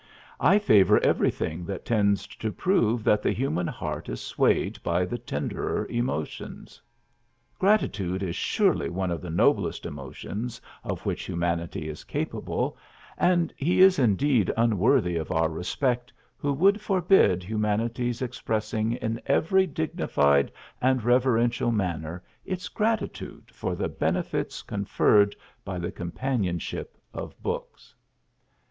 I favor everything that tends to prove that the human heart is swayed by the tenderer emotions. Gratitude is surely one of the noblest emotions of which humanity is capable, and he is indeed unworthy of our respect who would forbid humanity's expressing in every dignified and reverential manner its gratitude for the benefits conferred by the companionship of books.